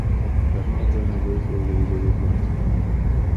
Dar nu a fost nevoie să utilizeze gloanțe.